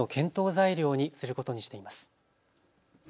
材料にすることにしています。